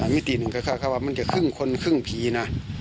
มิติหนึ่งคือมันจะครึ่งคนครึ่งผีนะ